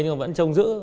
nhưng mà vẫn trông giữ